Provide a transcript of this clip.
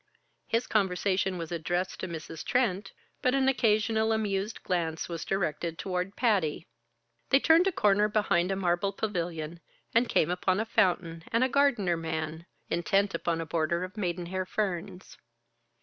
His conversation was addressed to Mrs. Trent, but an occasional amused glance was directed toward Patty. They turned a corner behind a marble pavilion, and came upon a fountain and a gardener man, intent upon a border of maiden hair ferns.